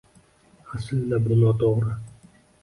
Aslida bu noto‘g‘ri.